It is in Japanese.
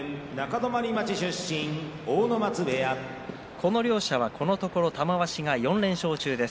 この両者はこのところ玉鷲が４連勝中です。